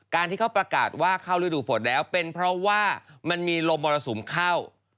การที่เขาประกาศว่าเข้าฤดูฝนแล้วเป็นเพราะว่ามันมีลมมรสุมเข้า